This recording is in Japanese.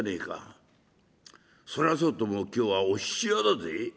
そらそうともう今日はお七夜だぜ。